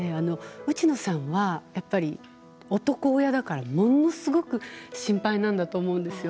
内野さんは男親だからものすごく心配なんだと思うんですよ。